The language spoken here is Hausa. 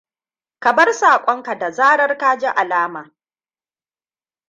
Ka bar saƙonka da zarar ka ji alama.